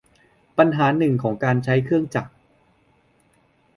ปัญหาหนึ่งของการใช้เครื่องจักร